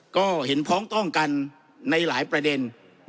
ก็เห็นพ้องต้องกันในหลายประเด็น